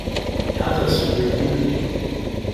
Ḥader seg uydi-nni!